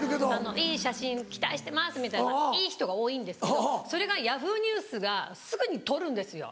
「いい写真期待してます」みたいないい人が多いんですけどそれがＹａｈｏｏ！ニュースがすぐに取るんですよ。